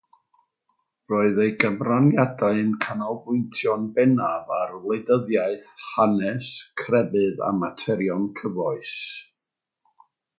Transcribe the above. Roedd ei gyfraniadau'n canolbwyntio'n bennaf ar wleidyddiaeth, hanes, crefydd a materion cyfoes.